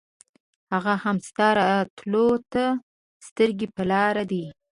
هغه هم ستا راتلو ته سترګې پر لار دی.